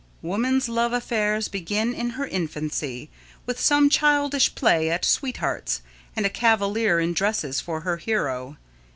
Woman's love affairs begin in her infancy, with some childish play at sweethearts, and a cavalier in dresses for her hero.